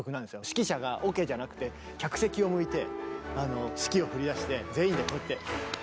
指揮者がオケじゃなくて客席を向いて指揮を振りだして全員でこうやって。